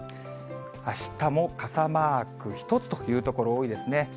あしたも傘マーク一つという所、多いですね。